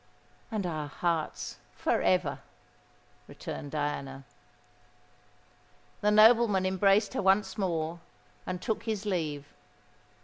"And our hearts—for ever," returned Diana. The nobleman embraced her once more, and took his leave.